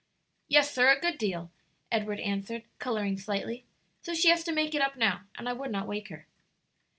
"Yes, sir, a good deal," Edward answered, coloring slightly. "So she has to make it up now, and I would not wake her."